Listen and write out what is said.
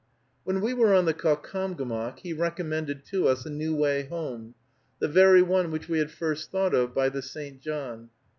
When we were on the Caucomgomoc, he recommended to us a new way home, the very one which we had first thought of, by the St. John.